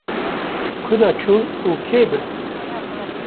Ku de çûn û kê bir?